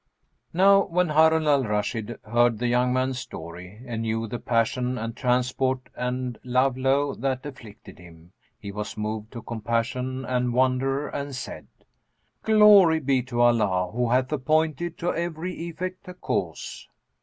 Now when Harun al Rashid heard the young man's story and knew the passion and transport and love lowe that afflicted him, he was moved to compassion and wonder and said, "Glory be to Allah, who hath appointed to every effect a cause!"